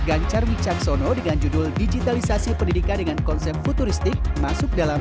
gan carmi jasono dengan judul digitalisasi pendidikan dengan konsep futuristik hai dalam